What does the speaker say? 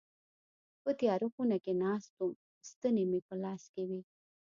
په تياره خونه کي ناست وم ستني مي په لاس کي وي.